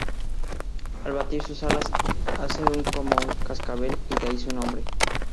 Al batir sus alas hace un como un cascabel y de ahí su nombre.